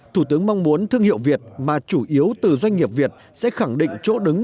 thủ tướng mong muốn thương hiệu việt mà chủ yếu từ doanh nghiệp việt sẽ khẳng định chỗ đứng